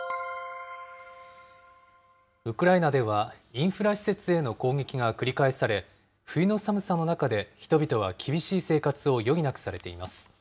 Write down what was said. ウクライナでは、インフラ施設への攻撃が繰り返され、冬の寒さの中で、人々は厳しい生活を余儀なくされています。